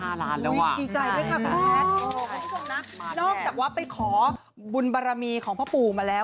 อุ๊ยดีใจเลยค่ะคุณแท็ตนอกจากว่าไปขอบุญบารมีของพ่อปู่มาแล้ว